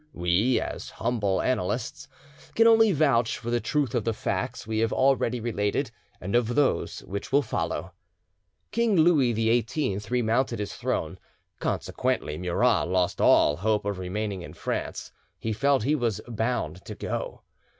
We, as humble annalists, can only vouch for the truth of the facts we have already related and of those which will follow. King Louis XVIII remounted his throne, consequently Murat lost all hope of remaining in France; he felt he was bound to go.